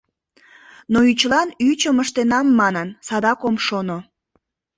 Но ӱчылан ӱчым ыштенам манын, садак ом шоно.